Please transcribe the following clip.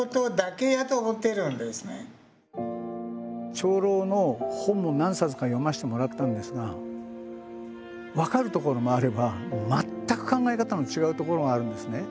長老の本も何冊か読ませてもらったんですが分かるところもあれば全く考え方の違うところがあるんですね。